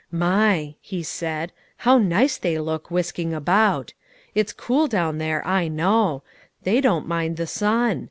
"My!" he said; "how nice they look whisking about. It's cool down there, I know; they don't mind the sun.